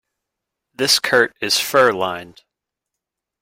This coat is fur-lined.